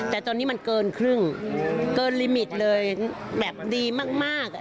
แต่ตอนนี้มันเกินครึ่งเกินลิมิตเลยแบบดีมาก